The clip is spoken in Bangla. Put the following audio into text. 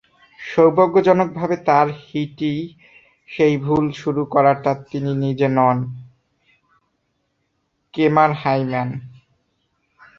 সৌভাগ্যজনকভাবে তাঁর হিটেই সেই ভুল শুরু করাটা তিনি নিজে নন, কেমার হাইম্যান।